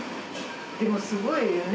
でもすごいよね